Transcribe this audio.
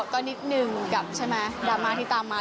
ก็นิดนึงกับใช่ไหมดราม่าที่ตามมา